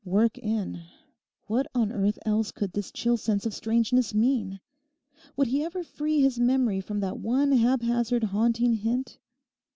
'Work in'—what on earth else could this chill sense of strangeness mean? Would he ever free his memory from that one haphazard, haunting hint?